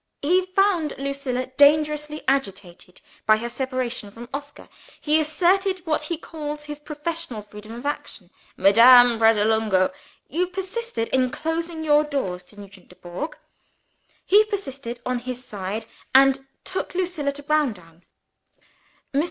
"He found Lucilla dangerously agitated by her separation from Oscar: he asserted, what he calls, his professional freedom of action." "Madame Pratolungo !" "You persisted in closing your doors to Nugent Dubourg. He persisted, on his side and took Lucilla to Browndown." Mr.